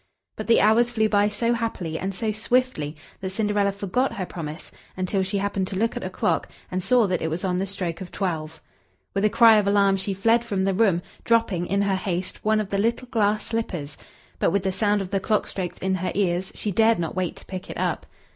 But the hours flew by so happily and so swiftly that Cinderella forgot her promise, until she happened to look at a clock and saw that it was on the stroke of twelve. With a cry of alarm she fled from the room, dropping, in her haste, one of the little glass slippers; but, with the sound of the clock strokes in her ears, she dared not wait to pick it up.